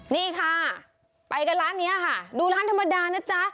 นี่ค่ะไปกันร้านนี้ค่ะดูร้านธรรมดานะจ๊ะ